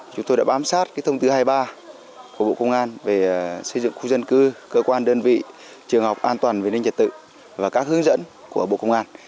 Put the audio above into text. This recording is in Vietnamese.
chúng tôi đã bám sát thông tư hai mươi ba của bộ công an về xây dựng khu dân cư cơ quan đơn vị trường học an toàn về ninh trật tự và các hướng dẫn của bộ công an